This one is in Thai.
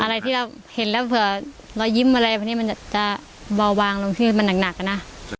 อะไรที่เราเห็นแล้วเผื่อรอยยิ้มอะไรพวกนี้มันจะเบาบางลงที่มันหนักอะนะ